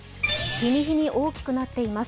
日に日に大きくなっています。